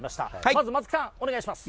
まず、松木さんお願いします。